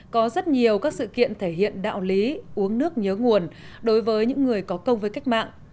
các dự kiện thể hiện đạo lý uống nước nhớ nguồn đối với những người có công với cách mạng